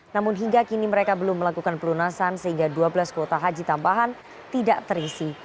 namun hingga kini mereka belum melakukan pelunasan sehingga dua belas kuota haji tambahan tidak terisi